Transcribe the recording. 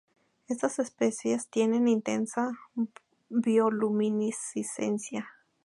Estas especies tienen intensa bioluminiscencia.